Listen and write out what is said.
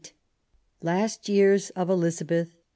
LAST YEARS OF ELIZABETH.